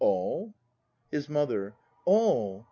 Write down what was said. All? His Mother. All!